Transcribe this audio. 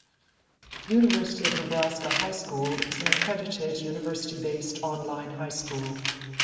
University of Nebraska High School is an accredited, university-based online high school.